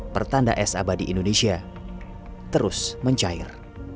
pertanda es abadi indonesia terus mencair